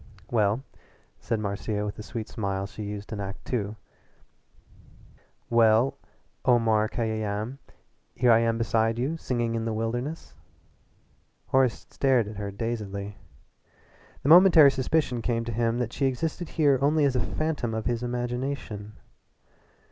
"Well," said Marcia with the sweet smile she used in Act Two ("Oh, so the Duke liked my dancing!") "Well, Omar Khayyam, here I am beside you singing in the wilderness." Horace stared at her dazedly. The momentary suspicion came to him that she existed there only as a phantom of his imagination.